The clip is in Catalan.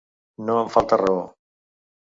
No em falta raó.